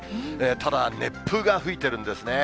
ただ、熱風が吹いているんですね。